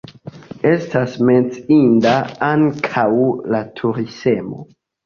Estas menciinda ankaŭ la turismo.